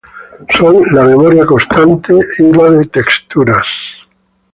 Son la memoria constante y la de texturas.